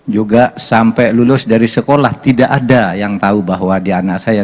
juga sampai lulus dari sekolah tidak ada yang tahu bahwa dia anak saya